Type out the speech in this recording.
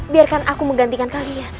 biarkan aku menggantikan kalian